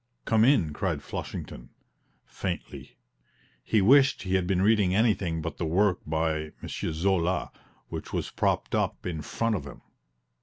"Come in," cried Flushington, faintly; he wished he had been reading anything but the work by M. Zola, which was propped up in front of him.